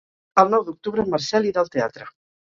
El nou d'octubre en Marcel irà al teatre.